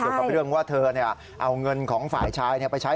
หรือถือกับเรื่องว่าเธอเนี่ยเอาเงินของฝ่ายชายไปใช้